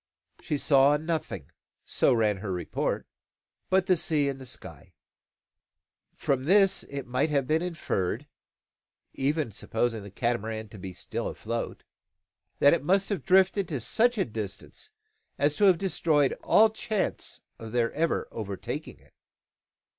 She saw nothing, so ran her report, but the sea and sky. From this it might have been inferred (even supposing the Catamaran to be still afloat) that it must have drifted to such a distance as to have destroyed all chance of their ever overtaking it.